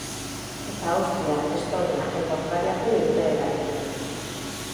Eta Austria, Estonia eta Hungariako irteerarekin.